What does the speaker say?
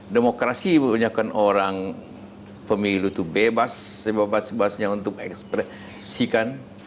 demokrasi memiliki orang pemilih itu bebas sebab sebasnya untuk ekspresikan